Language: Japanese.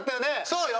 そうよ。